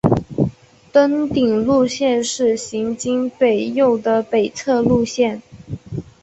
登顶路线是行经北坳的北侧路线。